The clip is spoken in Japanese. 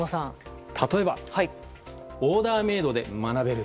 例えばオーダーメイドで学べる。